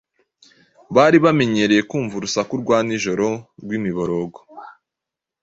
Bari bamenyereye kumva urusaku rwa nijoro rw’imiborogo,